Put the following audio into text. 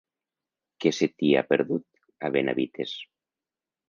Què se t'hi ha perdut, a Benavites?